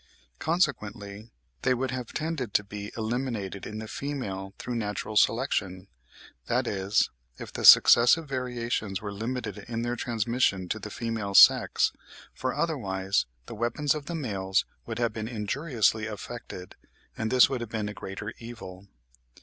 Consequently, they would have tended to be eliminated in the female through natural selection; that is, if the successive variations were limited in their transmission to the female sex, for otherwise the weapons of the males would have been injuriously affected, and this would have been a greater evil.